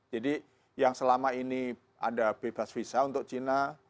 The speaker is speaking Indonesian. jadi yang selama ini ada bebas visa untuk china